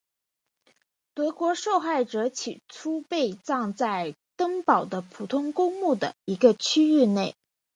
德国受害者起初被葬在登堡的普通公墓的一个区域内。